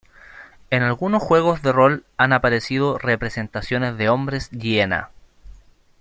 En algunos juegos de rol han aparecido representaciones de hombres hiena.